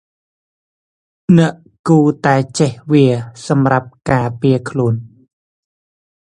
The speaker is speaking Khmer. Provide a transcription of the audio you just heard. អ្នកគួរតែចេះវា សំរាប់ការពារខ្លួន ។